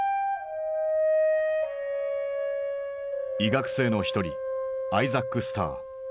医学生の一人アイザック・スター。